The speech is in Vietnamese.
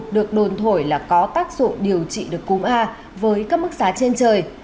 được đồn thổi là có tác dụng điều trị được cúm a với các mức giá trên trời